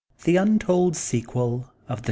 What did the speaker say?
15 THE UNTOLD SEQUEL OF ^f)e .